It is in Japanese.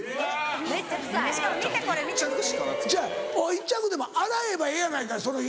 １着でも洗えばええやないかその日に。